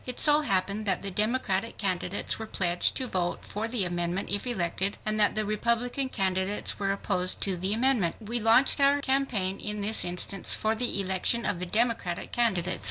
It so happened that the Democratic candidates were pledged to vote for the amendment if elected, and that the Republican candidates were opposed to the amendment. We launched our campaign in this instance for the election of the Democratic candidates.